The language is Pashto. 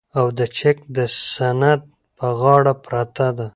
او د چک د سیند په غاړه پرته ده